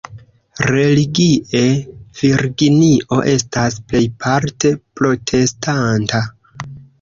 Religie, Virginio estas plejparte protestanta.